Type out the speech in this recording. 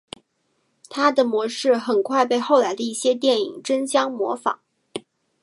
它的模式很快被后来的一些电影争相效仿。